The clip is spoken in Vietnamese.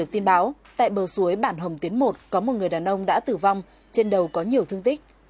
tin báo tại bờ suối bản hồng tiến một có một người đàn ông đã tử vong trên đầu có nhiều thương tích